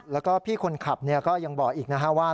แล้วก็พี่คนขับก็ยังบอกอีกนะฮะว่า